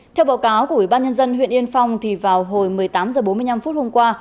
theo báo cáo của ubnd huyện yên phong thì vào hồi một mươi tám h bốn mươi năm hôm qua